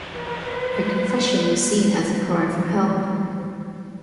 Her confession was seen as a cry for help.